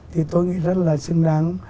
thì tôi nghĩ rất là xứng đáng